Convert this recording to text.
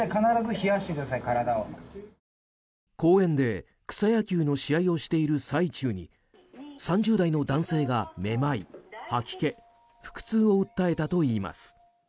公園で草野球の試合をしている最中に３０代の男性がめまい、吐き気腹痛を訴えたといいます。